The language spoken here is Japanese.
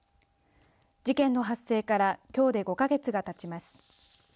事件の発生からきょうで５か月がたちます。